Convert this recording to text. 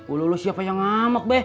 ulu ulu siapa yang ngambek be